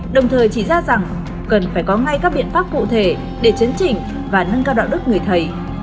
đồng thời chỉ ra rằng cần phải có ngay các biện pháp cụ thể để chấn chỉnh và nâng cao đạo đức người thầy